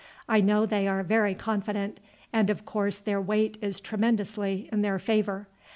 I know they are very confident, and of course their weight is tremendously in their favour.